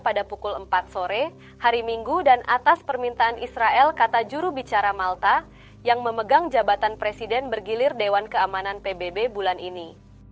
pada pukul empat sore hari minggu dan atas permintaan israel kata jurubicara malta yang memegang jabatan presiden bergilir dewan keamanan pbb bulan ini